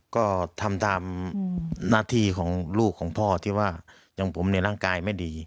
ก็ทำตามหน้าที่ของลูกของพ่อที่ว่าอย่างผมในร่างกายไม่ดี